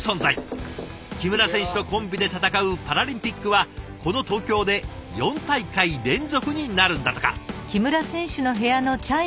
木村選手とコンビで戦うパラリンピックはこの東京で４大会連続になるんだとか。